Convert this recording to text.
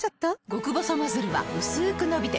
極細ノズルはうすく伸びて